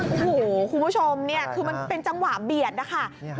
โอ้โหคุณผู้ชมเนี่ยคือมันเป็นจังหวะเบียดนะคะ